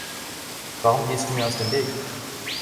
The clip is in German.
Warum gehst du mir aus dem Weg?